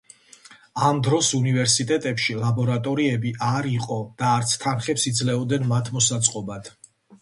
ამ დროს უნივერსიტეტებში ლაბორატორიები არ იყო და არც თანხებს იძლეოდნენ მათ მოსაწყობად.